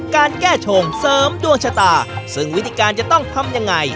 การแก้ชงเสริมดวงชะตาซึ่งวิธีการจะต้องทำยังไง